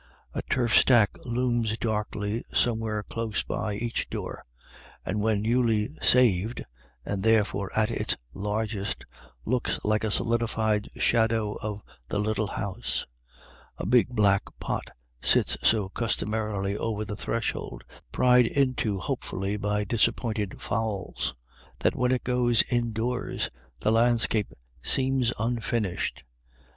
A turf stack looms darkly somewhere close by each door, and when newly " saved," and therefore at its largest, looks like a solidified shadow of the little house. A big black pot sits so cus tomarily over the threshold, pried into hopefully by disappointed fowls, that when it goes indoors the landscape seems unfinished.